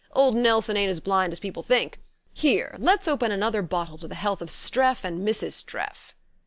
Old Nelson ain't as blind as people think. Here, let's open another bottle to the health of Streff and Mrs. Streff!"